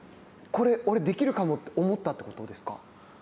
これ、俺、できるかもって思ったということですか。